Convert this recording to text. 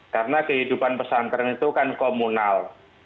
karena kehidupan pesantren itu kan komunal